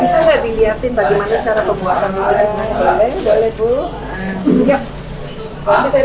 bisa nggak dilihatin bagaimana cara pembuatannya